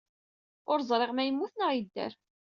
Ur ẓriɣ ma yemmut neɣ yedder.